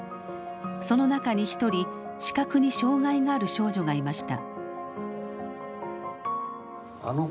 その中に１人視覚に障害がある少女がいました。